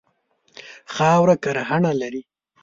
خاوره کرهڼه لري.